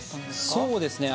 そうですね。